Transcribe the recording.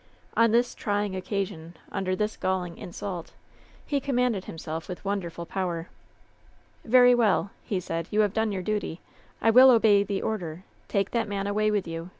On this trying occasion, under this galling insult, he commanded himself with wonderful power. "Very well," he said. "You have done your duty. I will obey the order. Take that man away with you.